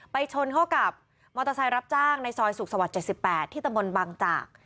ไปชนเขากับมอเตอร์ไซค์รับจ้างในซอยสุขสวรรค์เจ็ดสิบแปดที่ตำบลบังจาก